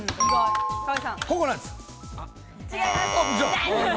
違います。